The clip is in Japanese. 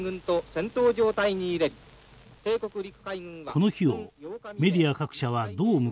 この日をメディア各社はどう迎えたのか。